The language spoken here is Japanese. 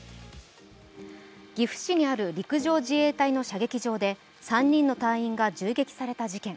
岐阜市にある陸上自衛隊の射撃場で３人の隊員が銃撃された事件。